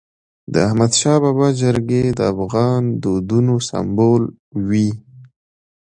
د احمدشاه بابا جرګي د افغان دودونو سمبول وي.